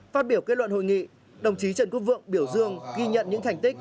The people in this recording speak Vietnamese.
phát biểu kết luận hội nghị đồng chí trần quốc vượng biểu dương ghi nhận những thành tích